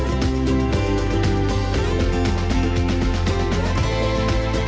kami dengan ini membuatnya